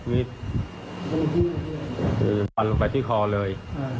มีดปันลงไปที่คอเลย